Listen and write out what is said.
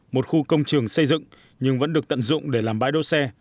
một khu công trường xây dựng nhưng vẫn được tận dụng để làm bãi đỗ xe